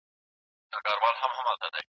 پر مځکي باندي اوبه توی سوې.